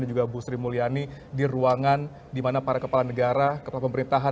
dan juga bu sri mulyani di ruangan di mana para kepala negara kepala pemerintahan